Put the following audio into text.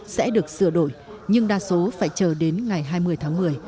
sẽ được sửa đổi nhưng đa số phải chờ đến ngày hai mươi tháng một mươi